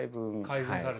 改善された。